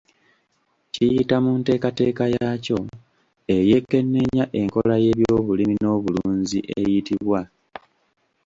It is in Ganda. Kiyita mu nteekateeka yaakyo eyeekenneenya enkola y’ebyobulimi n’obulunzi eyitibwa.